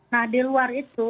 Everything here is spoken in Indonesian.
nah di luar itu